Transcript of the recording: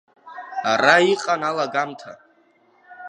Ара иҟан алагамҭа…